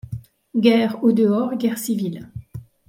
Guerre au dehors, guerre civile